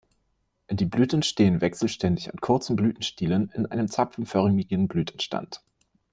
Die Blüten stehen wechselständig an kurzen Blütenstielen in einem zapfenförmigen Blütenstand.